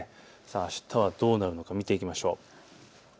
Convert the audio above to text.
あしたはどうなるのか見ていきましょう。